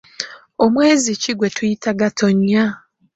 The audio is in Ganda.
Omwezi ki gwetuyita Gatonnya?